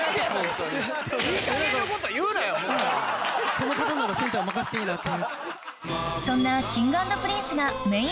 この方ならセンター任せていいなって。